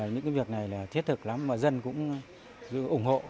những việc này là thiết thực lắm mà dân cũng ủng hộ